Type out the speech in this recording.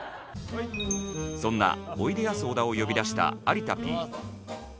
そんなおいでやす小田を呼び出した有田Ｐ。